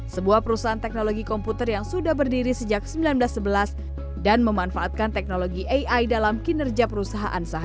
sebuah perusahaan teknologi komputer yang sudah berdiri sejak seribu sembilan ratus sebelas dan memanfaatkan teknologi ai dalam kinerja perusahaan